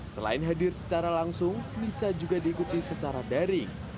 selain hadir secara langsung misa juga diikuti secara daring